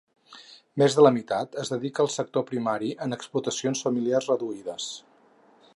Més de la meitat es dedica al sector primari en explotacions familiars reduïdes.